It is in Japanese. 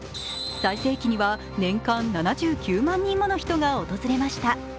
最盛期には年間７９万人もの人が訪れました。